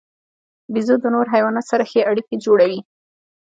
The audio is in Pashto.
بیزو د نورو حیواناتو سره ښې اړیکې جوړوي.